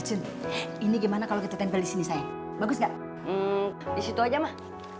ini gimana kalau kita tempel di sini saya bagus gak disitu aja mah